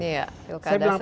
ya yuk ada serentak itu